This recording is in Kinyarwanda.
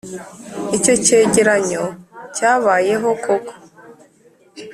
icyo cyegeranyo cyabayeho koko.